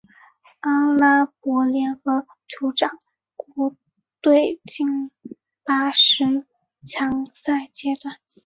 阿拉伯联合酋长国队进入十强赛阶段。